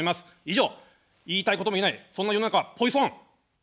以上、言いたいことも言えない、そんな世の中はポイソン。